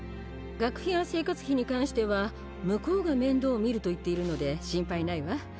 学費や生活費に関しては向こうが面倒を見ると言っているので心配ないわ。